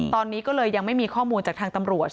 ตอนนี้ก็เลยยังไม่มีข้อมูลจากทางตำรวจ